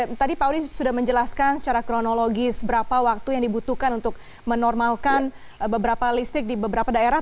jadi tadi pak audi sudah menjelaskan secara kronologis berapa waktu yang dibutuhkan untuk menormalkan beberapa listrik di beberapa daerah